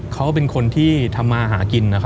เขาเป็นคนที่ทำมาหากิน